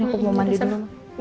aku mau mandi dulu